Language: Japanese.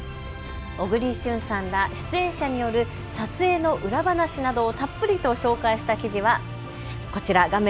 小栗旬さんら出演者による撮影の裏話などをたっぷりと紹介した記事はこちら画面